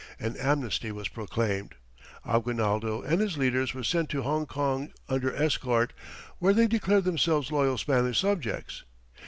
An amnesty was proclaimed. Aguinaldo and his leaders were sent to Hongkong under escort, where they declared themselves loyal Spanish subjects.